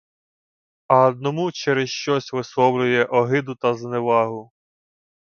А одному через щось висловлює огиду та зневагу.